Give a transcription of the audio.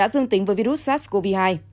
cùng với virus sars cov hai